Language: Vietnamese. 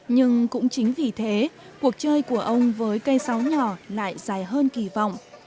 nhưng cũng chính vì thế cuộc chơi của ông với cây sáu nhỏ lại dài hơn kỳ vọng